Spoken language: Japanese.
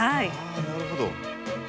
なるほど。